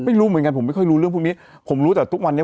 ไม่รู้เหมือนกันผมไม่ค่อยรู้เรื่องพวกนี้ผมรู้แต่ทุกวันนี้